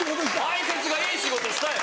前説がいい仕事したよ。